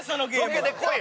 ロケで来い！